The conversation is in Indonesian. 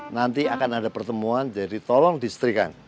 nanti akan ada pertemuan jadi tolong disetrikan